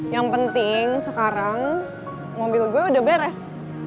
yang penting sekarang mobil gue udah beres